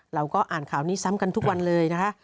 เราก็อ่านข่าวนี้ซ้ำกันทุกวันเลยนะคะ